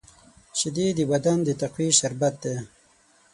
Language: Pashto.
شیدې د بدن د تقویې شربت دی